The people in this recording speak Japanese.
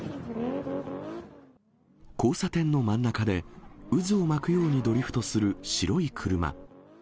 交差点の真ん中で、渦を巻くようにドリフトする白い車。